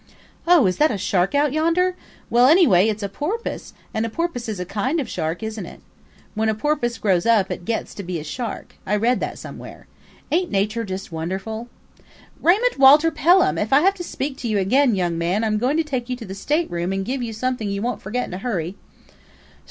... "Oh, is that a shark out yonder? Well, anyway, it's a porpoise, and a porpoise is a kind of shark, isn't it? When a porpoise grows up, it gets to be a shark I read that somewhere. Ain't nature just wonderful?" ... "Raymund Walter Pelham, if I have to speak to you again, young man, I'm going to take you to the stateroom and give you something you won't forget in a hurry."